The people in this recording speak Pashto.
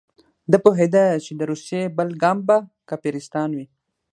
ده پوهېده چې د روسیې بل ګام به کافرستان وي.